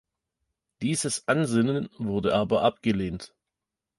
Dieses Ansinnen wurde aber abgelehnt.